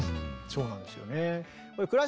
そうなんですよね。